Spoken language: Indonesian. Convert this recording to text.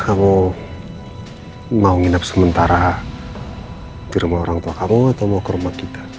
kamu mau nginep sementara ke rumah orang tua kamu atau mau ke rumah kita